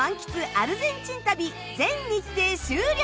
アルゼンチン旅全日程終了！